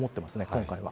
今回は。